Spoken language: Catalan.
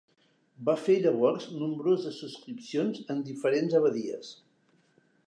Va fer llavors nombroses subscripcions en diferents abadies.